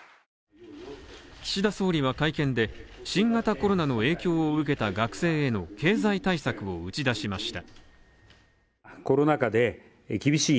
岸田総理は会見で、新型コロナの影響を受けた学生への経済対策を打ち出しました。